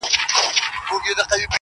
پر لویو غرو د خدای نظر دی-